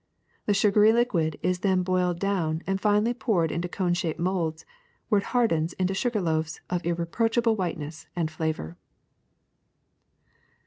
The sugary liquid is then boiled down and finally poured into cone shaped molds, where it hardens into sugar loaves of irreproachable whiteness and flavor."